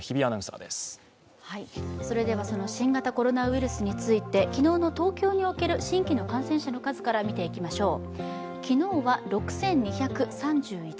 新型コロナウイルスについて昨日の東京における新規の感染者の数から見ていきましょう。